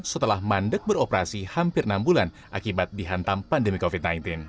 setelah mandek beroperasi hampir enam bulan akibat dihantam pandemi covid sembilan belas